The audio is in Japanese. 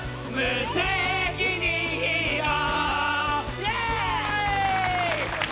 イエーイ！